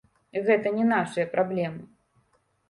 Гэта не нашыя праблемы.